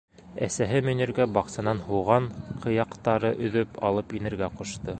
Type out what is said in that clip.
Әсәһе Мөниргә баҡсанан һуған ҡыяҡтары өҙөп алып инергә ҡушты.